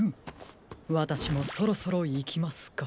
わたしもそろそろいきますか。